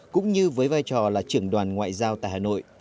cũng như với vai trò là trưởng đoàn ngoại giao tại hà nội